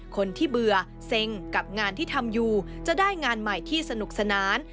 คนที่เบื่อเซ็งกับงานที่ทำอยู่จะได้งานใหม่ที่สนุกสนาน